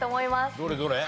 どれどれ？